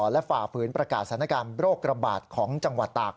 และฝ่าฝืนประกาศสถานการณ์โรคระบาดของจังหวัดตาก